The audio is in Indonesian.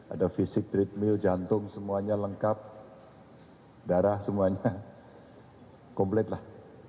ada fisik treadmill jantung semuanya lengkap darah semuanya komplitlah